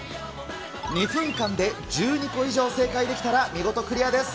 ２分間で１２個以上正解できたら見事クリアです。